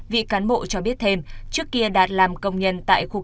vị cán bộ cho biết thêm trước kia đạt làm công nhân tại khu